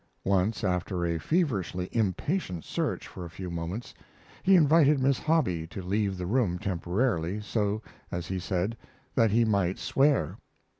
Once, after a feverishly impatient search for a few moments, he invited Miss Hobby to leave the room temporarily, so, as he said, that he might swear.